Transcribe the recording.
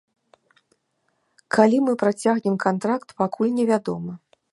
Калі мы працягнем кантракт, пакуль невядома.